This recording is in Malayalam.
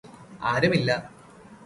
ആരുമില്ല